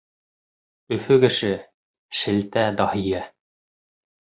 Өфө кеше — шелтә даһийы.